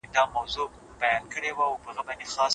ولسي جرګه د خلګو تر منځ تړون رامنځته کوي.